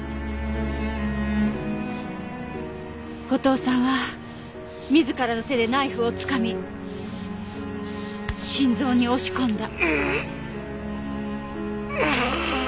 後藤さんは自らの手でナイフをつかみ心臓に押し込んだ。